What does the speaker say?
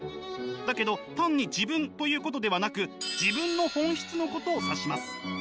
だけど単に自分ということではなく自分の本質のことを指します。